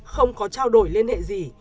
không có trao đổi liên hệ gì